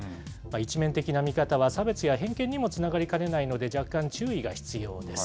一面的な見方は差別や偏見にもつながりかねないので、若干注意が必要です。